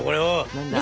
何だ。